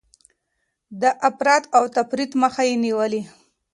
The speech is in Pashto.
د افراط او تفريط مخه يې نيولې.